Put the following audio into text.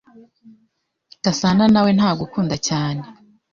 Gasananawe ntagukunda cyane.